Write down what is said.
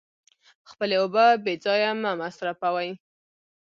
خپلې اوبه بې ځایه مه مصرفوئ.